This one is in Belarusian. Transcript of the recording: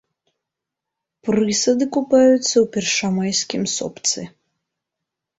Прысады купаюцца ў першамайскім сопцы.